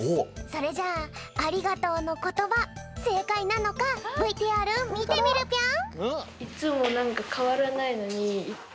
それじゃあありがとうのことばせいかいなのかＶＴＲみてみるぴょん。